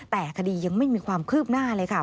แต่คดียังไม่มีความคืบหน้าเลยค่ะ